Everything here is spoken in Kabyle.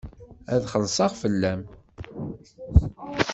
Ad xellṣeɣ fell-am.